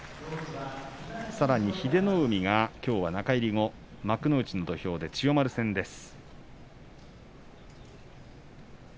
さらに英乃海が中入り後幕内の土俵で千代丸戦です。